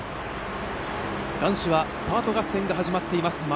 男子はスパート合戦が始まっています。